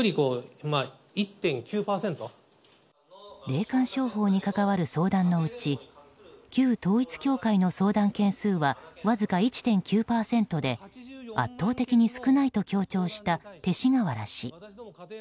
霊感商法に関わる相談のうち旧統一教会の相談件数はわずか１．９％で、圧倒的に少ないと強調した勅使河原氏。